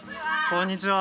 こんにちは。